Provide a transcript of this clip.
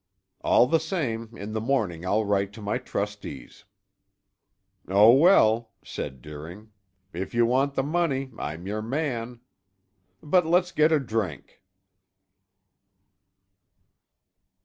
"All the same, in the morning I'll write to my trustees." "Oh, well," said Deering. "If you want the money, I'm your man. But let's get a drink."